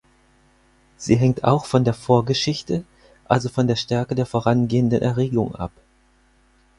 Sie hängt auch von der Vorgeschichte, also von der Stärke der vorangehenden Erregung ab.